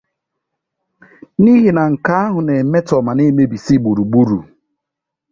n'ihi na nke ahụ na-emetọ ma na-emebìsi gburugburù